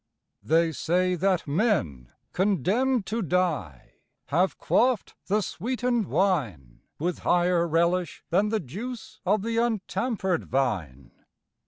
They say that men condemned to die Have quaffed the sweetened wine With higher relish than the juice Of the untampered vine.